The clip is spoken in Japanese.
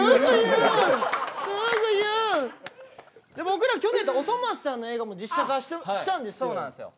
僕ら去年『おそ松さん』の映画も実写化したんですよ。